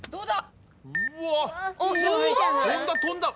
どうだ？